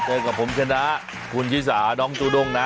เจอกับผมชนะคุณชิสาน้องจูด้งนะ